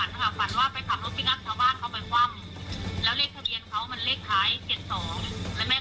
แต่ด้วยความที่เราก็ไม่ค่อยซื้อได้เนาะ